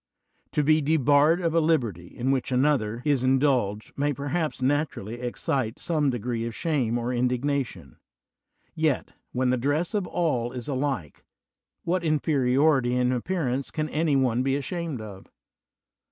To debarred of a liberty in which another is : 20 CATO THE CENSOR dulged may perhaps naturally excite some de gree of shame or indignation ; yet, when the dress of all is alike, what inferiority in appearance can any one be ashamed of?